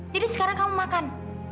jadi sekarang kamu makan